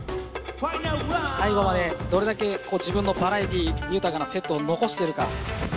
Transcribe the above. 最後までどれだけ自分のバラエティー豊かなセットを残しているか。